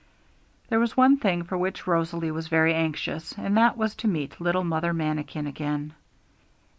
There was one thing for which Rosalie was very anxious, and that was to meet little Mother Manikin again.